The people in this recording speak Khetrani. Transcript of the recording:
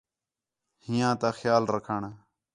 ہیّاں تا خیال رکھݨ